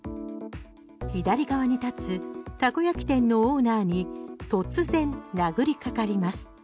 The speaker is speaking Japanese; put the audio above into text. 左側に立つたこ焼き店のオーナーに突然、殴りかかります。